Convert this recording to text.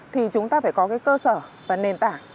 thì chúng ta phải có cái cơ sở và nền tảng